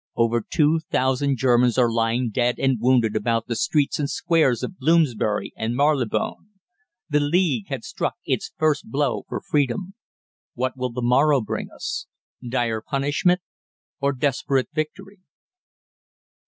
Over two thousand Germans are lying dead and wounded about the streets and squares of Bloomsbury and Marylebone. The League had struck its first blow for Freedom. "What will the morrow bring us? Dire punishment or desperate victory?"